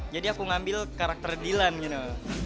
jadi aku ngambil karakter dilan gitu